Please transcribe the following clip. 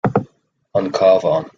An Cabhán